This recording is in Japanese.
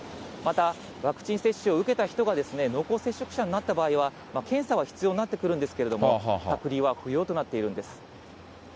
また、ワクチン接種を受けた人が濃厚接触者になった場合は、検査は必要になってくるんですけれども、隔離は不要となっているんです。